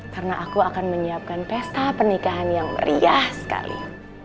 karena aku akan menyiapkan pesta pernikahan yang meriah sekali